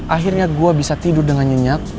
akhirnya gua bisa tidur dengan nyenyak